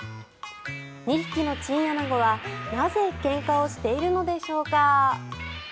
２匹のチンアナゴはなぜけんかをしているのでしょうか。